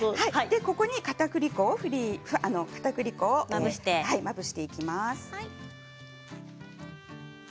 かたくり粉をまぶしていきます。